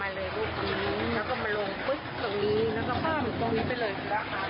บ้างไม่เห็นค่ะ